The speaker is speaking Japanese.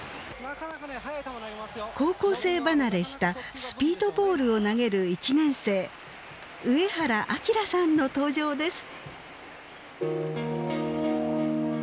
高校生離れしたスピードボールを投げる１年生上原晃さんの登場です。